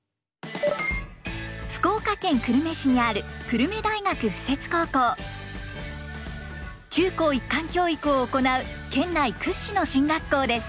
福岡県久留米市にある中高一貫教育を行う県内屈指の進学校です。